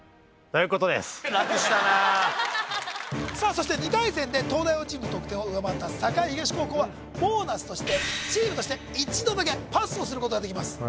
そして２回戦で東大王チームの得点を上回った栄東高校はボーナスとしてチームとして１度だけパスをすることができます